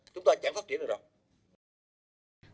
chúng ta chẳng phát triển được đâu